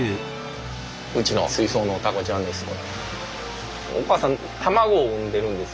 うちの水槽のタコちゃんです